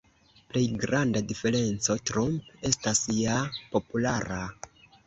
Plej granda diferenco: Trump estas ja populara.